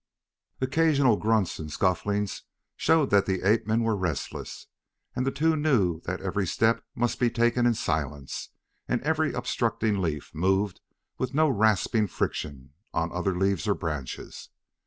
Occasional grunts and scufflings showed that the ape men were restless, and the two knew that every step must be taken in silence and every obstructing leaf moved with no rasping friction on other leaves or branches.